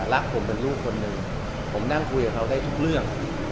รักผมเป็นลูกคนหนึ่งผมนั่งคุยกับเขาได้ทุกเรื่อง